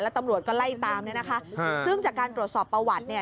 ตำรวจก็ไล่ตามเนี่ยนะคะซึ่งจากการตรวจสอบประวัติเนี่ย